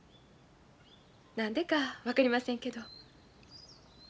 何でか分かりませんけど。